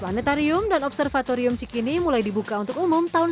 planetarium dan observatorium cikini mulai dibuka untuk pembangunan